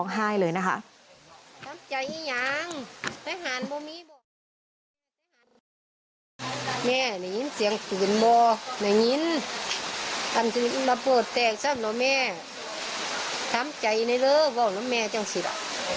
เกิดแตกซับแล้วแม่ทำใจในเริ่มบอกว่าแม่จังสิทธิ์